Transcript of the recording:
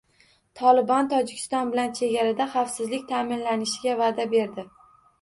«Tolibon» Tojikiston bilan chegarada xavfsizlik ta'minlanishiga va'da berdi